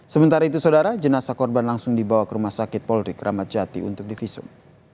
sementara itu saudara jenasa korban langsung dibawa ke rumah sakit polrik ramadjati untuk divisum